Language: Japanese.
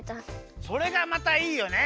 それがまたいいよね！